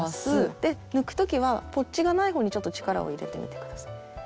で抜く時はポッチがない方にちょっと力を入れてみて下さい。